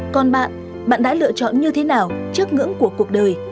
còn bạn bạn đã lựa chọn như thế nào trước ngưỡng của cuộc đời